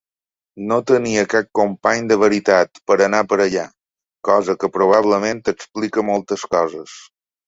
No tenia cap company de veritat per anar per allà, cosa que probablement explica moltes coses.